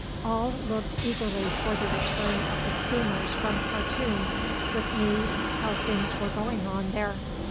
All looked eagerly for the return of the steamers from Khartoum with news how things were going on there.